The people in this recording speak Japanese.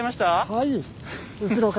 はい。